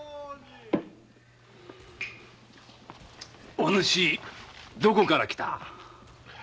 お主どこから来た？